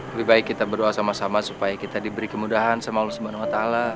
lebih baik kita berdoa sama sama supaya kita diberi kemudahan sama allah swt